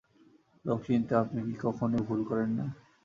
লোক চিনতে আপনি কি কখনো ভুল করেন না?